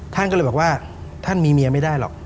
ท่านก็เลยบอกว่าท่านมีเมียไม่ได้หรอก